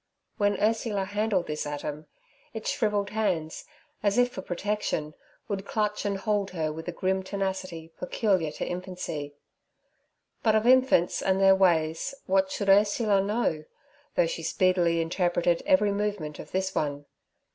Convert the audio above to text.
When Ursula handled this atom, its shrivelled hands, as if for protection, would clutch and hold her with a grim tenacity peculiar to infancy. But of infants and their ways what should Ursula know, though she speedily interpreted every movement of this one?